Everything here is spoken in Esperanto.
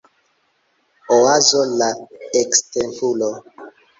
Oazo la ekstempulo